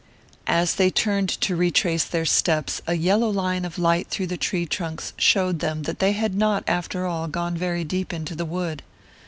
As they turned to retrace their steps a yellow line of light through the tree trunks showed them that they had not, after all, gone very deep into the wood.